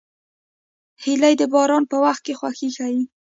هیلۍ د باران په وخت خوښي ښيي